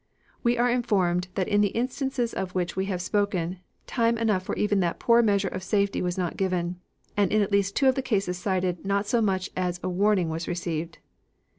We are informed that in the instances of which we have spoken time enough for even that poor measure of safety was not given, and in at least two of the cases cited not so much as a warning was received.